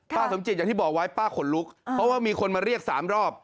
สมจิตอย่างที่บอกไว้ป้าขนลุกเพราะว่ามีคนมาเรียก๓รอบ